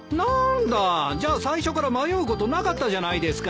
じゃあ最初から迷うことなかったじゃないですか。